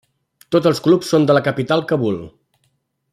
Tots els clubs són de la capital, Kabul.